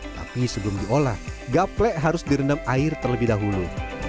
tapi sebelum diolah gaplek harus direndam air terlebih dahulu